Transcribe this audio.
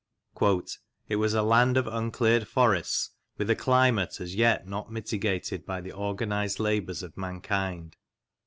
" It was a land of uncleared forests, with a climate as yet not mitigated by the organised labours of mankind.